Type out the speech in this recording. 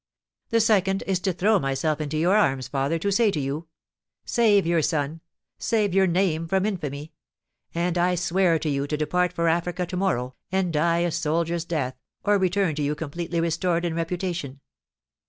The second is to throw myself into your arms, father, to say to you, 'Save your son, save your name from infamy;' and I swear to you to depart for Africa to morrow, and die a soldier's death, or return to you completely restored in reputation.